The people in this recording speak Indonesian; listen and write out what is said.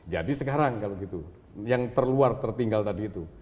jadi sekarang kalau gitu yang terluar tertinggal tadi itu